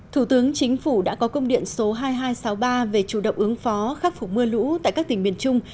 thủ tướng chính phủ đã có công điện số hai nghìn hai trăm sáu mươi ba về chủ động ứng phó khắc phục mưa lũ tại các tỉnh miền trung